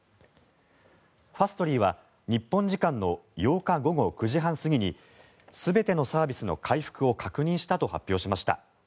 ファストリーは日本時間の８日午後９時半過ぎに全てのサービスの回復を確認したと発表しました。